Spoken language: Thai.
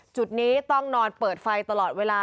จุดนี้ต้องนอนเปิดไฟตลอดเวลา